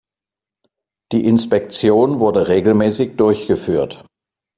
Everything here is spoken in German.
Die Inspektion wurde regelmäßig durchgeführt.